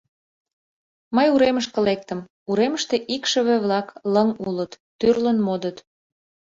Мый уремышке лектым, уремыште икшыве-влак лыҥ улыт: тӱрлын модыт.